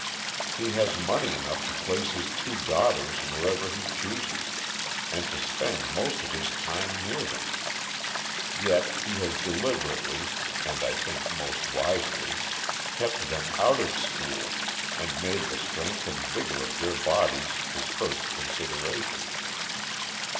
He has money enough to place his two daughters wherever he chooses, and to spend most of his time near them. Yet he has deliberately (and I think most wisely) kept them out of school, and made the strength and vigor of their bodies his first consideration.